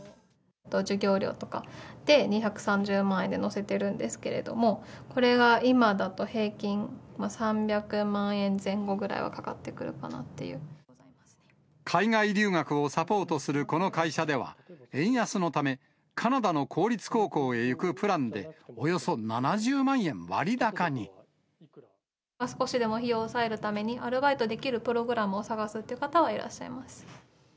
授業料とかで、２３０万円で載せてるんですけれども、これが今だと平均３００万円前後ぐらいはかかってくるかなってい海外留学をサポートするこの会社では、円安のため、カナダの公立高校へ行くプランで、少しでも費用を抑えるために、アルバイトできるプログラムを探すっていう方はいらっしゃいます。